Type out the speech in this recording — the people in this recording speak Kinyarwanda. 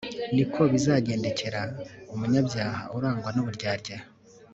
ni ko bizagendekera umunyabyaha urangwa n'uburyarya